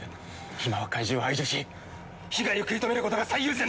今は怪獣を排除し被害を食い止めることが最優先だ！